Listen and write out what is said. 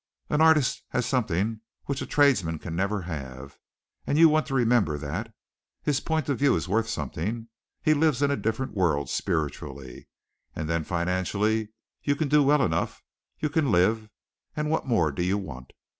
"An artist has something which a tradesman can never have you want to remember that. His point of view is worth something. He lives in a different world spiritually. And then financially you can do well enough you can live, and what more do you want?